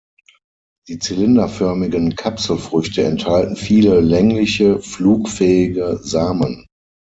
Die zylinderförmigen Kapselfrüchte enthalten viele längliche, flugfähige Samen.